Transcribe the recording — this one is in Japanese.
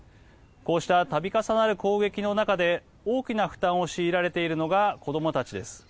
こうした、たび重なる攻撃の中で大きな負担を強いられているのが子どもたちです。